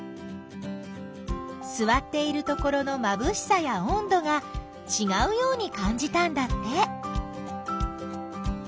すわっているところのまぶしさやおんどがちがうようにかんじたんだって。